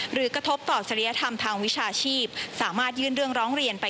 กระทบต่อจริยธรรมทางวิชาชีพสามารถยื่นเรื่องร้องเรียนไป